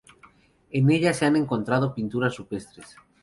En ellas se han encontrado pinturas rupestres.